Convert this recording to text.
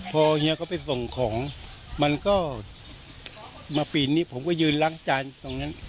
พอเฮียเขาไปส่งของมันก็มาปีนนี้ผมก็ยืนล้างจานตรงนั้น